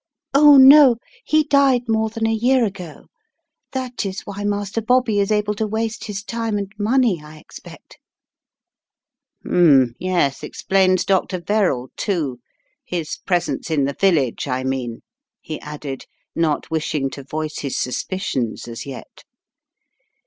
"Oh, no, he died more than a year ago; that is why Master Bobby is able to waste his time and money I expect." "Hmn — yes, explains Dr. Verrall, too: his pres ence in the village, I mean," he added, not wishing to voice his suspicions as yet.